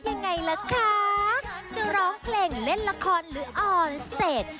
จะร้องเพลงเล่นละครหรืออ่อนเสร็จ